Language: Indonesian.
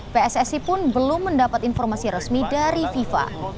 pssi pun belum mendapat informasi resmi dari fifa